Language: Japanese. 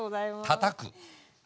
たたく？